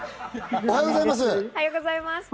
おはようございます！